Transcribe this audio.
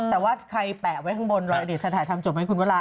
แต่ว่าใครแปะไว้ข้างบนหรือจะถ่ายทำจบให้คุณวราค้า